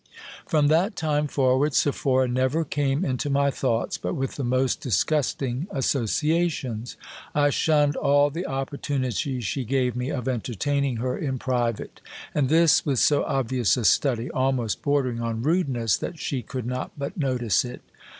From that time forward Sephora never came into my thoughts but with the most disgusting associations. I shunned all the opportunities she gave me of entertaining her in private, and this with so obvious a study, almost bordering on rudeness, that she could not but notice it.